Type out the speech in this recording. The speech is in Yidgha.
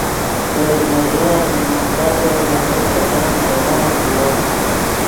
دے ریزناغیہ من نان تاتے ڤے من دے چام نئیلات ڤیو